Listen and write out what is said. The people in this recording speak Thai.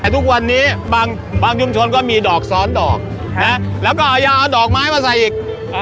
ทุกวันนี้บางชุมชนก็มีดอกซ้อนดอกแล้วก็เอายาเอาดอกไม้มาใส่อีก